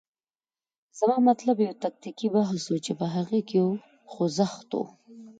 زما مطلب یو تکتیکي بحث و، چې په هغه کې یو خوځښت وي.